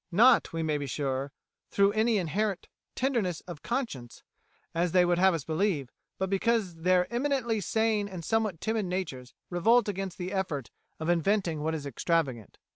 Not, we may be sure, through any inherent tenderness of conscience, as they would have us believe; but because their eminently sane and somewhat timid natures revolt against the effort of inventing what is extravagant.